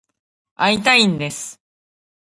会いたいんです。